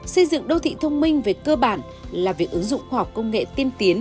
xây dựng đô thị thông minh về cơ bản là việc ứng dụng khoa học công nghệ tiên tiến